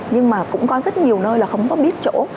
nhưng mà cũng có rất nhiều nơi là không có biết chỗ